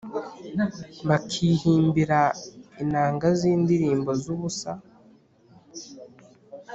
bakihimbira inanga z’indirimbo z’ubusa,